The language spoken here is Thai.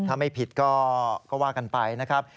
ถ้าไม่ผิดก็ว่ากันไปนะครับ